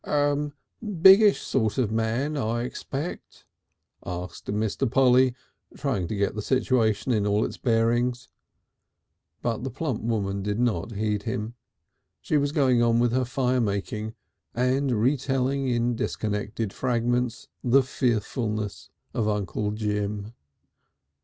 "Biggish sort of man, I expect?" asked Mr. Polly, trying to get the situation in all its bearings. But the plump woman did not heed him. She was going on with her fire making, and retailing in disconnected fragments the fearfulness of Uncle Jim.